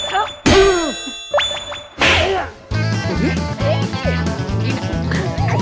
เฮ้ย